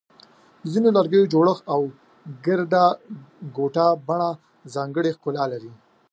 د ځینو لرګیو جوړښت او ګرده ګوټه بڼه ځانګړی ښکلا لري.